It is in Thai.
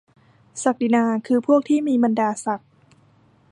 ศักดินาคือพวกที่มีบรรดาศักดิ์ ?